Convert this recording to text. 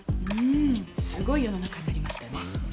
うんすごい世の中になりましたね。